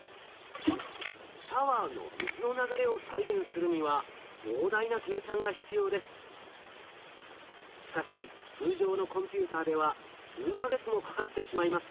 シャワーの水の流れを再現するにはしかし通常のコンピューターでは数か月もかかってしまいます。